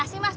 baik kok ga